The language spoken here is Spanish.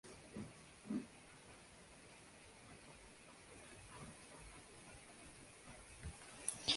Es originaria de Brasil donde se encuentra en el Cerrado en Minas Gerais.